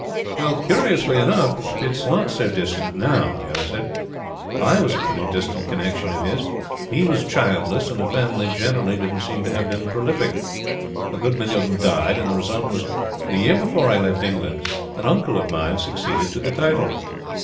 "Well, curiously enough, it is not so distant, now," the other said. "I was a pretty distant connection of his. He was childless; and the family, generally, don't seem to have been prolific. A good many of them died; and the result was that, the year before I left England, an uncle of mine succeeded to the title.